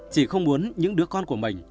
chị không muốn những đứa con của mình